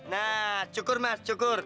nah cukur mas cukur